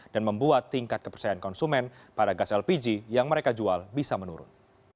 dan membuat tingkat kepercayaan konsumen pada gas lpg yang mereka jual bisa menurun